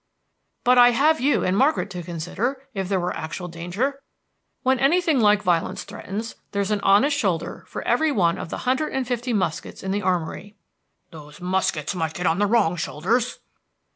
"But I have you and Margaret to consider, if there were actual danger. When anything like violence threatens, there's an honest shoulder for every one of the hundred and fifty muskets in the armory." "Those muskets might get on the wrong shoulders."